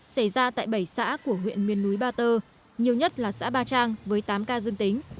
xảy ra tại bảy xã của huyện miền núi ba tơ nhiều nhất là xã ba trang với tám ca dương tính